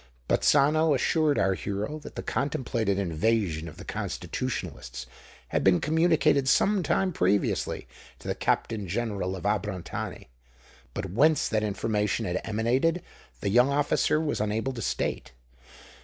Bazzano assured our hero that the contemplated invasion of the Constitutionalists had been communicated some time previously to the Captain General of Abrantani; but whence that information had emanated the young officer was unable to state.